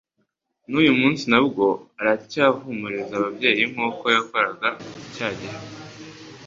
N'uyu munsi na bwo aracyahumuriza ababyeyi nk'uko yakoraga cya gihe